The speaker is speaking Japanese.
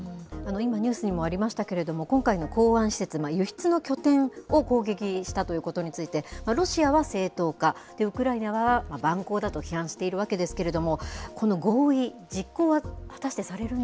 今、ニュースにもありましたけれども、今回の港湾施設、輸出の拠点を攻撃したということについて、ロシアは正当化、ウクライナは蛮行だと批判しているわけですけれども、この合意、実行は果